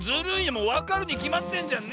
もうわかるにきまってんじゃんねえ。